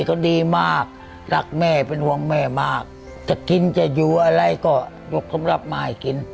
เขาดีมากรักแม่เป็นห่วงแม่มากจะกินจะอยู่อะไรก็ยกสำหรับมาให้กิน